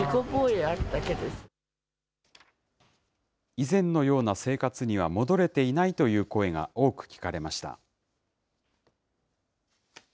以前のような生活には戻れていないという声が多く聞かれました。